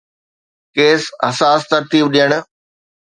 ڪيس-حساس ترتيب ڏيڻ